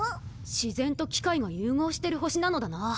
自然と機械が融合してる星なのだな。